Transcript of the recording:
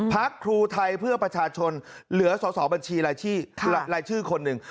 พักครูไทยเพื่อประชาชนเหลือสอบบัญชีรายชื่อคนหนึ่ง